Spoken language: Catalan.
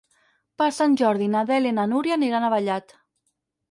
Per Sant Jordi na Dèlia i na Núria aniran a Vallat.